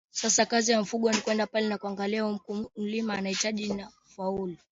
sasa kazi ya mifugo ni kwenda pale na kuangalia huyu mkulima anahitaji fauli